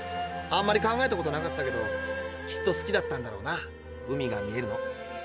あんまり考えたことなかったけどきっと好きだったんだろうな海が見えるの。